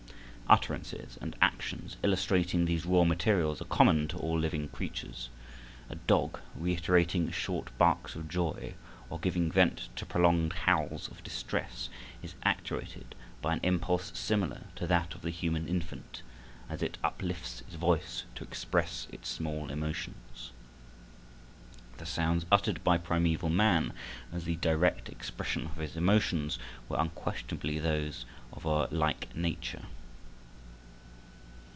Utterances and actions illustrating these raw materials are common to all living creatures. A dog, reiterating short barks of joy, or giving vent to prolonged howls of distress, is actuated by an impulse similar to that of the human infant as it uplifts its voice to express its small emotions. The sounds uttered by primeval man as the direct expression of his emotions were unquestionably of a like nature.